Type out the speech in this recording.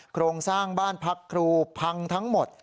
โครงสร้างบ้านพักครูพังทั้งหมด